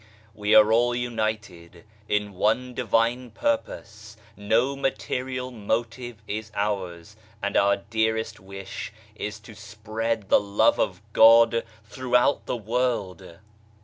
We are all united in one Divine purpose, no material motive is ours, and our dearest wish is to spread the Love of God throughout the world